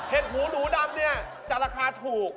หมูหนูดำเนี่ยจะราคาถูก